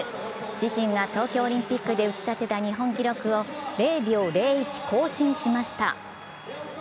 自身が東京オリンピックで打ち立てた日本記録を０．０１更新しました。